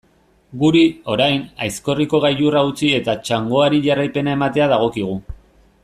Guri, orain, Aizkorriko gailurra utzi eta txangoari jarraipena ematea dagokigu.